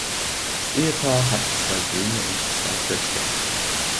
Das Ehepaar hat zwei Söhne und zwei Töchter.